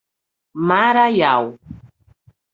Maraial